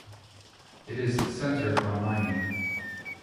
It is centered on mining.